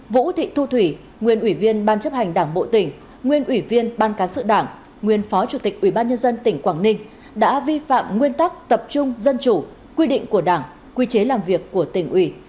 vũ thị thu thủy nguyên ủy viên ban chấp hành đảng bộ tỉnh nguyên ủy viên ban cán sự đảng nguyên phó chủ tịch ubnd tỉnh quảng ninh đã vi phạm nguyên tắc tập trung dân chủ quy định của đảng quy chế làm việc của tỉnh ubnd